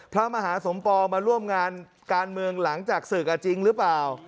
พระมหาสมปองมาร่วมงานการเมืองหลังจากศึกจริงหรือเปล่า